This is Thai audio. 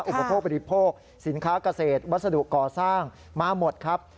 อุปโภคบริโภคสินค้าเกษตรวัสดุก่อสร้างมาหมดครับ